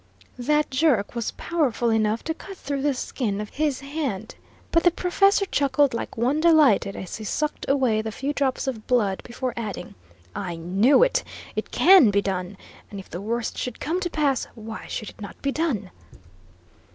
That jerk was powerful enough to cut through the skin of his hand, but the professor chuckled like one delighted, as he sucked away the few drops of blood before adding: "I knew it! It CAN be done, and if the worst should come to pass, why should it not be done?"